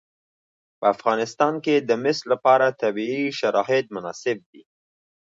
په افغانستان کې د مس لپاره طبیعي شرایط مناسب دي.